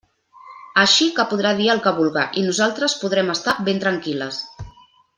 Així que podrà dir el que vulga i nosaltres podrem estar ben tranquil·les.